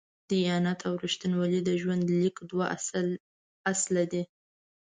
دیانت او رښتینولي د ژوند لیک دوه اصله دي.